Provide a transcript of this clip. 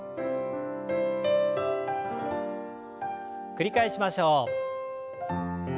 繰り返しましょう。